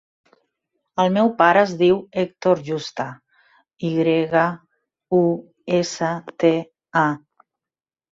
El meu pare es diu Hèctor Yusta: i grega, u, essa, te, a.